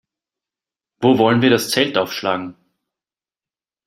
Wo wollen wir das Zelt aufschlagen?